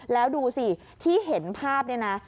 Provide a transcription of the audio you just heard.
แล้วดูสิที่เห็นภาพเนี่ยนะ